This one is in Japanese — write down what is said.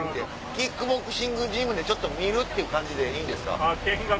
キックボクシングジムでちょっと見るっていう感じでいいですか？